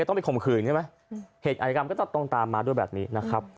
ต้องไปข่มขืนใช่ไหมเหตุอายกรรมก็จะต้องตามมาด้วยแบบนี้นะครับ